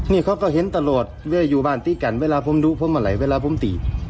นี่เขาก็เห็นตลอดเวลาอยู่บ้านตีกันเวลาผมดูผมอะไรเวลาผมตี